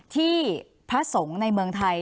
ที่พระสงฆ์ในเมืองไทย